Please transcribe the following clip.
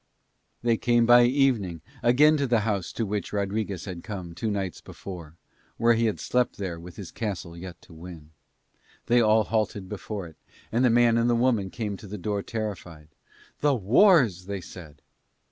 They came by evening again to the house to which Rodriguez had come two nights before, when he had slept there with his castle yet to win. They all halted before it, and the man and the woman came to the door terrified. "The wars!" they said.